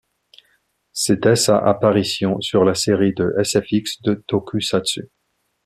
C'était sa apparition sur la série de sfx de Tokusatsu.